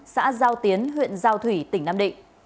xã giao tiến huyện giao thủy tỉnh nam định